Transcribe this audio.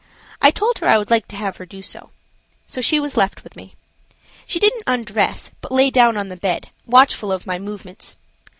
I told her I would like to have her do so. So she was left with me. She didn't undress, but lay down on the bed, watchful of my movements.